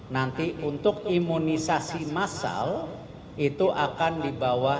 nanti untuk imunisasi massal itu akan dibawa